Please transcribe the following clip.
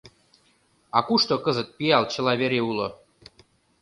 А кушто кызыт пиал чыла вере уло?